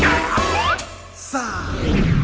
สิบแปดฝนสิบแปดหนาว